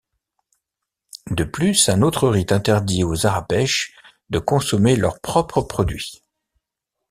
De plus, un autre rite interdit aux arapesh de consommer leurs propres produits.